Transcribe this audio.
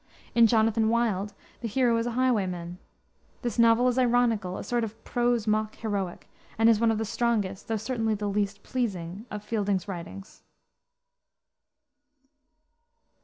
In Jonathan Wild the hero is a highwayman. This novel is ironical, a sort of prose mock heroic, and is one of the strongest, though certainly the least pleasing, of Fielding's writings.